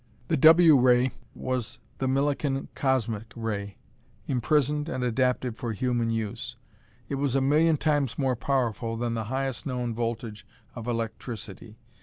The W ray was the Millikan cosmic ray, imprisoned and adapted for human use. It was a million times more powerful than the highest known voltage of electricity.